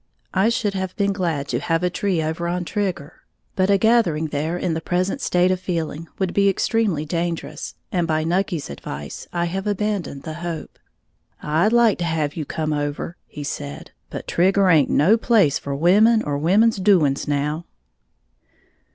I should have been glad to have a tree over on Trigger; but a gathering there in the present state of feeling would be extremely dangerous, and by Nucky's advice, I have abandoned the hope. "I'd like to have you come over," he said; "but Trigger haint no place for women or women's doings now."